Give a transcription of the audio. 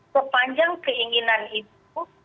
sepanjang keinginan itu